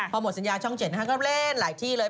พอหมดสัญญาช่อง๗ก็เล่นหลายที่เลย